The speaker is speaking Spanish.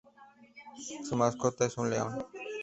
Su mascota es un león.